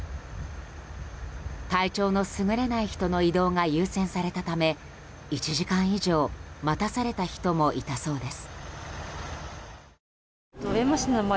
体調の優れない人の移動が優先されたため１時間以上、待たされた人もいたそうです。